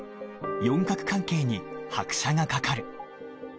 四角関係に拍車がかかる